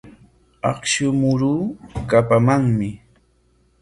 Akshu muruu kapamanmi.